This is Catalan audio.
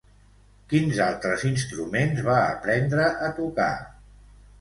Quins altres instruments va aprendre a tocar?